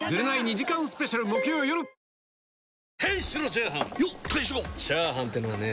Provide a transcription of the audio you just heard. チャーハンってのはね